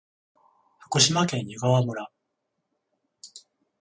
福島県湯川村